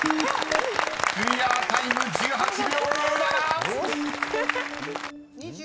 ［クリアタイム１８秒０７］